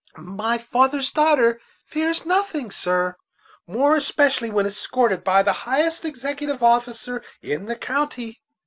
"My father's daughter fears nothing, sir, more especially when escorted by the highest executive officer in the county."